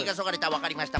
わかりました。